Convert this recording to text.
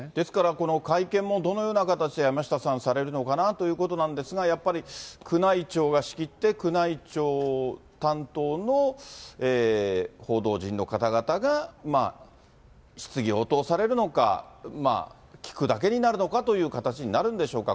この会見もどのような形で山下さん、されるのかなということなんですが、やっぱり宮内庁が仕切って、宮内庁担当の報道陣の方々が、質疑応答されるのか、聞くだけになるのかという形になるんでしょうか。